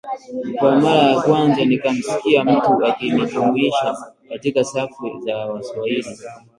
" Kwa mara ya kwanza nikamskia mtu akinijumuisha katika safu za Waswahili